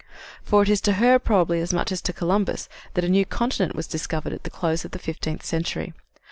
For it is to her probably as much as to Columbus that a new continent was discovered at the close of the fifteenth century.